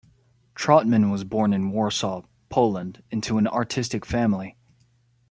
Trautman was born in Warsaw, Poland into an artistic family.